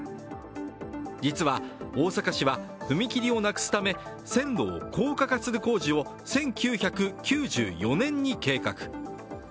実は大阪市は、踏切をなくすため線路を高架化する工事を１９９４年に計画。